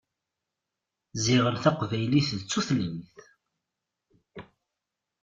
Ziɣen taqbaylit d tutlayt.